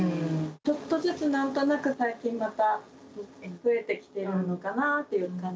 ちょっとずつ、なんか最近また、増えてきているのかなという感じ。